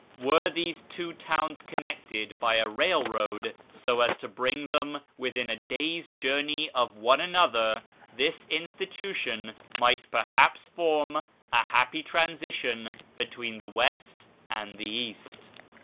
"Were these two towns connected Ijy a railroad, so as to bring them within a day's journey of one another, this institution might perhaps form a happy transition between the west and the east.